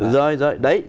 rồi rồi đấy